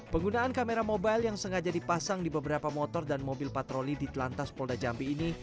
penggunaan kamera mobile yang sengaja dipasang di beberapa motor dan mobil patroli di telantas polda jambi ini